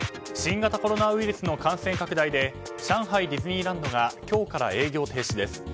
新型コロナウイルスの感染拡大で上海ディズニーランドが今日から営業停止です。